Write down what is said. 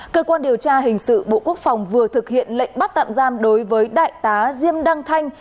cơ quan điều tra hình sự bộ quốc phòng vừa thực hiện lệnh bắt tạm giam đối với đại tá diêm đăng thanh